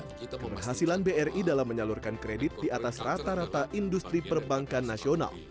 keberhasilan bri dalam menyalurkan kredit di atas rata rata industri perbankan nasional